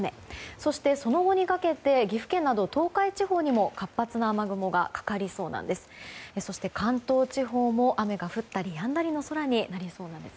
そして、その後にかけて岐阜県など東海地方にも活発な雨雲がかかりそうなんです。